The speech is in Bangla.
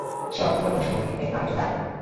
সে অদ্ভুতরকম সুন্দর দেখতে, আর একজন ডাক্তার।